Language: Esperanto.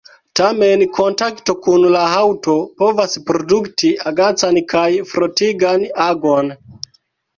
Tamen kontakto kun la haŭto povas produkti agacan kaj frotigan agon.